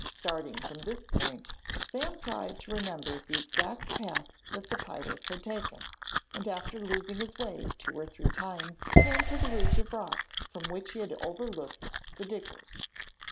Starting from this point, Sam tried to remember the exact path that the pirates had taken, and after losing his way two or three times came to the ridge of rock from which he had overlooked the diggers.